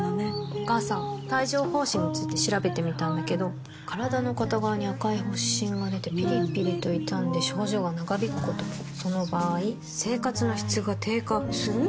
お母さん帯状疱疹について調べてみたんだけど身体の片側に赤い発疹がでてピリピリと痛んで症状が長引くこともその場合生活の質が低下する？